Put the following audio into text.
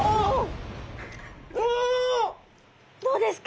どうですか？